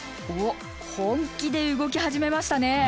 おっ本気で動き始めましたね。